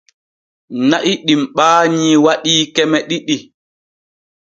Na'i ɗim ɓaanyi waɗii keme ɗiɗi.